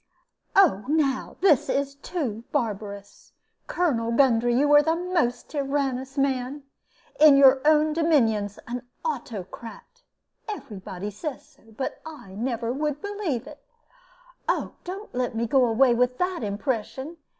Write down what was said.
"Oh, now, this is too barbarous! Colonel Gundry, you are the most tyrannous man; in your own dominions an autocrat. Every body says so, but I never would believe it. Oh, don't let me go away with that impression.